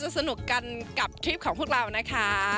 สนุกกันกับทริปของพวกเรานะคะ